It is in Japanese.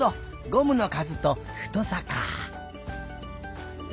ゴムのかずと太さかあ。